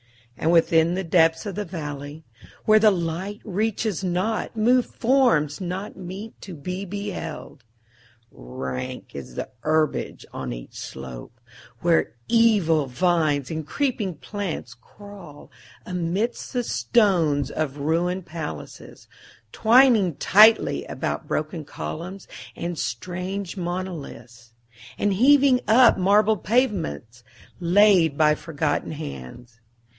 And within the depths of the valley, where the light reaches not, move forms not meet to be beheld. Rank is the herbage on each slope, where evil vines and creeping plants crawl amidst the stones of ruined palaces, twining tightly about broken columns and strange monoliths, and heaving up marble pavements laid by forgotten hands.